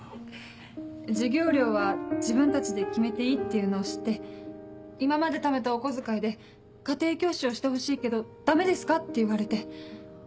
授業料は自分たちで決めていいっていうのを知って「今までためたお小遣いで家庭教師をしてほしいけどダメですか？」って言われて。